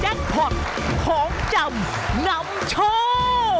พอร์ตของจำนำโชค